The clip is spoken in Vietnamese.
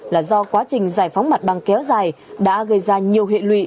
là do quá trình giải phóng mặt bằng kéo dài đã gây ra nhiều hệ lụy